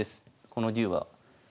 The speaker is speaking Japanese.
この竜は。